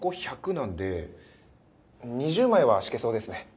なんで２０枚は敷けそうですね。